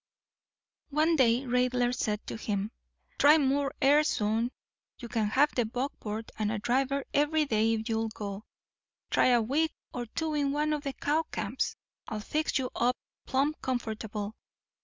One day Raidler said to him, "Try more air, son. You can have the buckboard and a driver every day if you'll go. Try a week or two in one of the cow camps. I'll fix you up plumb comfortable.